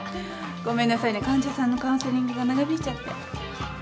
ごめんなさいね患者さんのカウンセリングが長引いちゃって。